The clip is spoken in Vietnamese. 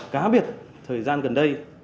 cá biệt thời gian gần đây